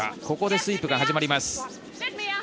ここでスイープが始まります。